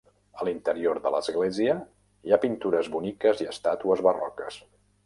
A l'interior de l'església hi ha pintures boniques i estàtues barroques.